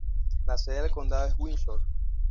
La sede del condado es Windsor.